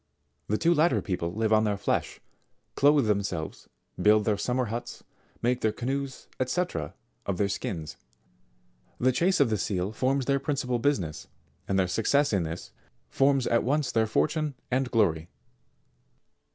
The two latter people live on their flesh, clothe themselves, build their summer huts, make their canoes, &c. of their skins. The chase of the seal forms their principal busi ness, and their success in this, forms at once their fortune and glory.